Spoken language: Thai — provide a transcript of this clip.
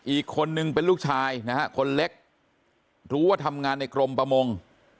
อีกคนนึงเป็นลูกชายนะฮะคนเล็กรู้ว่าทำงานในกรมประมง